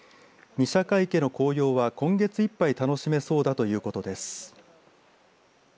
御射鹿池の紅葉は今月いっぱい楽しめそうだということです。